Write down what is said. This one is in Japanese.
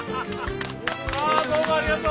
どうもありがとう！